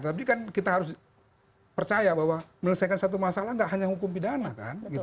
tapi kan kita harus percaya bahwa melesaikan satu masalah nggak hanya hukum pidana kan